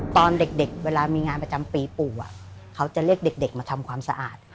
ตอนเด็กเวลามีงานประจำปีปู่เขาจะเรียกเด็กมาทำความสะอาด